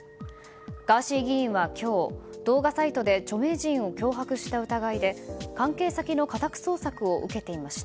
ガーシー議員は今日動画サイトで著名人を脅迫した疑いで関係先の家宅捜索を受けていました。